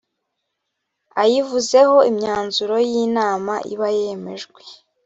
ayivuzeho imyanzuro y’inama iba yemejwe